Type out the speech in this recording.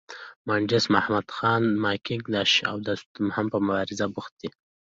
مانډس محمدخان، ماکیک، دانش او دوستم هم په مبارزه بوخت دي.